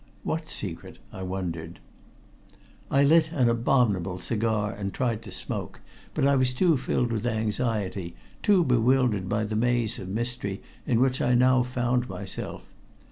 What secret, I wondered? I lit an abominable cigar, and tried to smoke, but I was too filled with anxiety, too bewildered by the maze of mystery in which I now found myself.